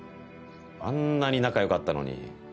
あんなに仲良かったのに。